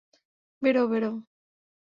বেরোও, বেরোও!